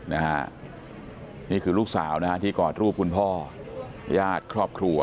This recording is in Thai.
นี่คือลูกสาวนะฮะที่กอดรูปคุณพ่อญาติครอบครัว